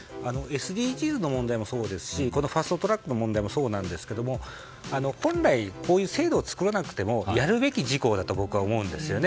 ＳＤＧｓの問題もそうですしこのファスト・トラックの問題もそうなんですけど本来こういう制度を作らなくてもやるべき事項だと僕は思うんですよね。